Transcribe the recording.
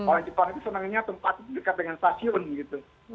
orang jepang itu senangnya tempat itu dekat dengan stasiun gitu